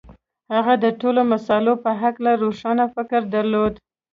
هغه د ټولو مسألو په هکله روښانه فکر درلود.